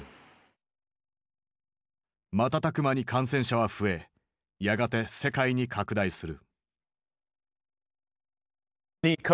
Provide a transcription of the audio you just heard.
瞬く間に感染者は増えやがて世界に拡大する。